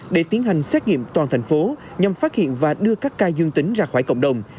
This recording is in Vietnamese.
để tiến hành xét nghiệm toàn thành phố nhằm phát hiện và đưa các ca dương tính ra khỏi cộng đồng